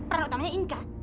peran utamanya inka